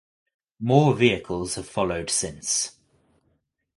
More vehicles have followed since.